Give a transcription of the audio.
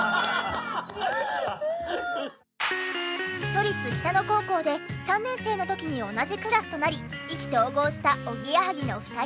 都立北野高校で３年生の時に同じクラスとなり意気投合したおぎやはぎの２人。